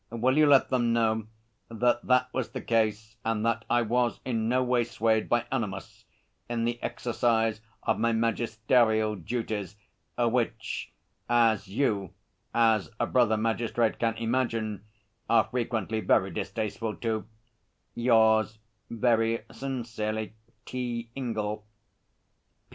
Will you let them know that that was the case and that I was in no way swayed by animus in the exercise of my magisterial duties, which as you, as a brother magistrate, can imagine are frequently very distasteful to Yours very sincerely, T. INGELL.